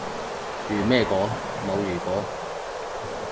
如咩果？冇如果